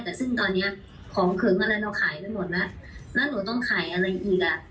แต่ซึ่งตอนเนี้ยของขึงอะไรเราขายกันหมดแล้วแล้วหนูต้องขายอะไรอีกอ่ะ